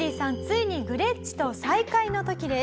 ついにグレッチと再会の時です」